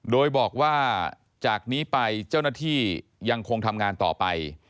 โดยบอกว่าจากนี้ไปเจ้าหน้าที่ยังคงทำงานต่อไป